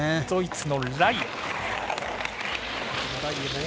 ドイツのライエ。